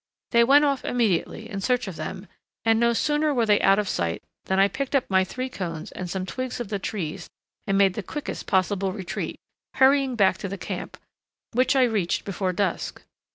They went off immediately in search of them, and no sooner were they all out of sight than I picked up my three cones and some twigs of the trees and made the quickest possible retreat, hurrying back to the camp, which I reached before dusk….